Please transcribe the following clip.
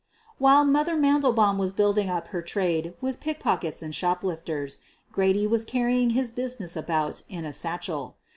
"While " Mother' ' Mandelbaum was building up her trade with pickpockets and shoplifters, Grady was carrying his business about in a satchel.